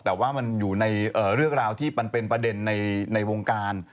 แต่ว่ามันอยู่ในเรื่องราวที่มันเป็นประเด็นในวงการ